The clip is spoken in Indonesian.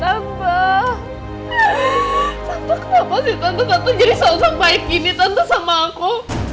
tante kenapa sih tante tante jadi seorang baik gini tante sama aku